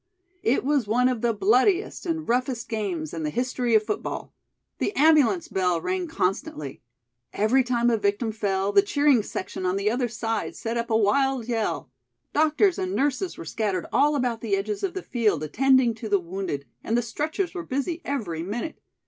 It was one of the bloodiest and roughest games in the history of football. The ambulance bell rang constantly. Every time a victim fell, the cheering section on the other side set up a wild yell. Doctors and nurses were scattered all about the edges of the field attending to the wounded and the stretchers were busy every minute.